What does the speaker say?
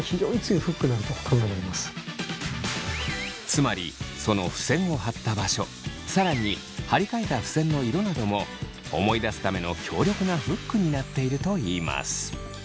つまりそのふせんを貼った場所更に貼り替えたふせんの色なども思い出すための強力なフックになっているといいます。